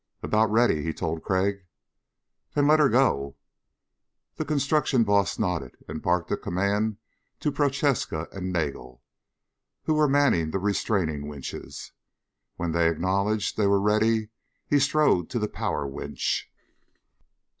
"About ready," he told Crag. "Then let her go." The construction boss nodded and barked a command to Prochaska and Nagel, who were manning the restraining winches. When they acknowledged they were ready he strode to the power winch.